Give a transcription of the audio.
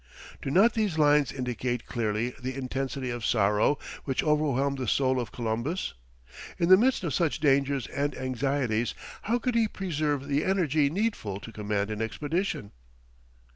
Do not these lines indicate clearly the intensity of sorrow which overwhelmed the soul of Columbus? In the midst of such dangers and anxieties, how could he preserve the energy needful to command an expedition?